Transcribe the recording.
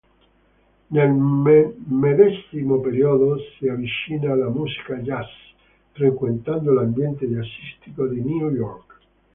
Nel medesimo periodo si avvicina alla musica jazz, frequentando l'ambiente jazzistico di New York.